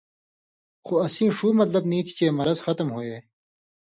خو اسیں ݜُو مطلب نی تھی چے مرض ختم ہُوئیے